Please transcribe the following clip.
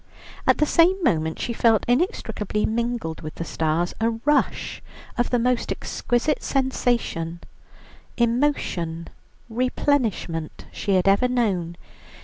At the same moment she felt inextricably mingled with the stars, a rush of the most exquisite sensation, emotion, replenishment she had ever known.